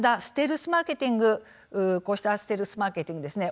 ただこうしたステルスマーケティングですね